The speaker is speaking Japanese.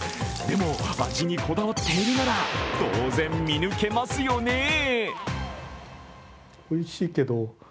でも、味にこだわっているなら当然、見抜けますよね？